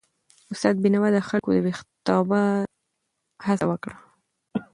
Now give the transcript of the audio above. استاد بینوا د خلکو د ویښتابه هڅه وکړه.